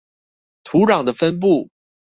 土壤的分布